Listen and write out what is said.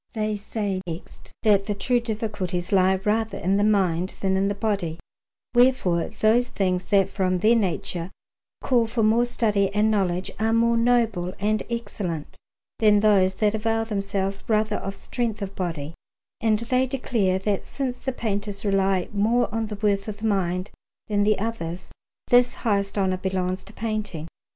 They say, next, that the true difficulties lie rather in the mind than in the body, wherefore those things that from their nature call for more study and knowledge are more noble and excellent than those that avail themselves rather of strength of body; and they declare that since the painters rely more on the worth of the mind than the others, this highest honour belongs to painting.